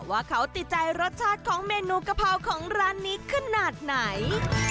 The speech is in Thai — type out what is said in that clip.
ว่าเขาติดใจรสชาติของเมนูกะเพราของร้านนี้ขนาดไหน